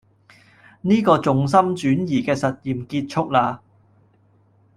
呢個重心轉移嘅實驗結束啦